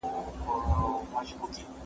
جهاني هلته مي شکمن پر خپله مینه سمه